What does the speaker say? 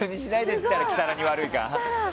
そう言ったらキサラに悪いか。